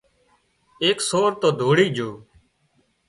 ايڪ سور تو ڌوڙي جھو